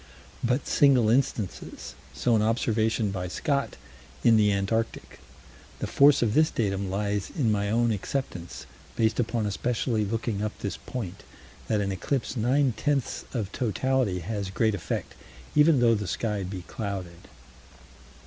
But single instances so an observation by Scott, in the Antarctic. The force of this datum lies in my own acceptance, based upon especially looking up this point, that an eclipse nine tenths of totality has great effect, even though the sky be clouded.